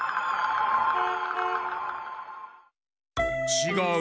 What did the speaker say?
ちがう！